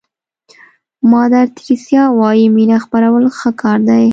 مادر تریسیا وایي مینه خپرول ښه کار دی.